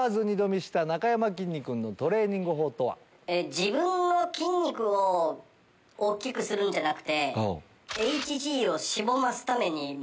自分の筋肉を大っきくするんじゃなくて。